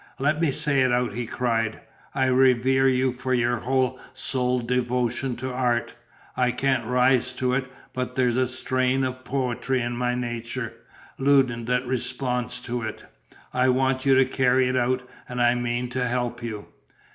"Let me say it out!" he cried. "I revere you for your whole souled devotion to art; I can't rise to it, but there's a strain of poetry in my nature, Loudon, that responds to it. I want you to carry it out, and I mean to help you."